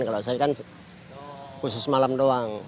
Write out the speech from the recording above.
khusus malam doang